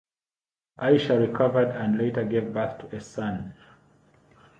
Aisha recovered and later gave birth to a son.